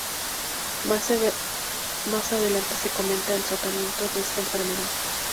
Más adelante se comenta el tratamiento de esta enfermedad.